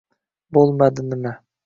bo’lmadi nima?